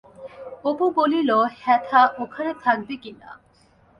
অপু বলিল, হ্যাঁঠা, ওখানে থাকবে কিনা?